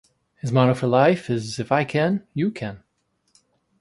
His motto for life is If I can, you can.